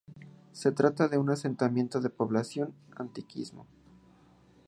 Se trata de un asentamiento de población antiquísimo.